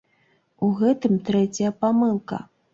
У гэтым трэцяя памылка.